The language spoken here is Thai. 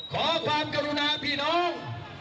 ขอความกรุณาพี่น้อง